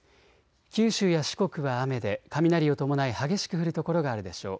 九州や四国は雨で雷を伴い激しく降る所があるでしょう。